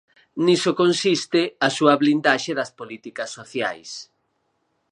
Niso consiste a súa blindaxe das políticas sociais.